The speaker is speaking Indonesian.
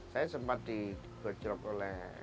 saya sempat di gojrok oleh